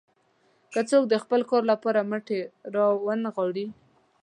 که څوک د خپل کار لپاره مټې راونه نغاړي.